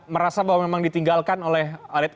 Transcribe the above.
merasa bahwa memang ditinggalkan oleh